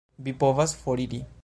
Vi povas foriri.